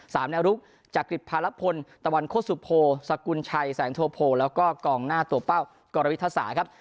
สามแนวลุกจักริจพารพลตะวันโคสุโพสกุลชัยแสงโทโพแล้วก็กล่องหน้าตัวเป้ากรวรวิทธศาสตร์ครับ